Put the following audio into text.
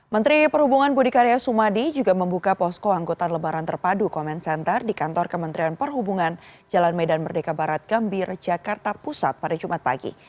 menteri perhubungan budi karya sumadi juga membuka posko angkutan lebaran terpadu comment center di kantor kementerian perhubungan jalan medan merdeka barat gambir jakarta pusat pada jumat pagi